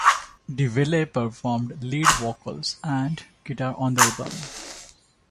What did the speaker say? Deville performed lead vocals and guitar on the album.